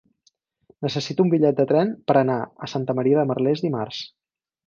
Necessito un bitllet de tren per anar a Santa Maria de Merlès dimarts.